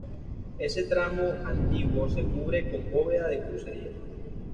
Este tramo antiguo se cubre con bóveda de crucería.